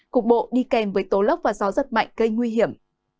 cục bộ đi kèm với tố lốc và gió giật mạnh gây nguy hiểm